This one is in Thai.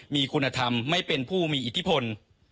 มีคุณธรรมไม่เป็นผู้มีอิทธิพล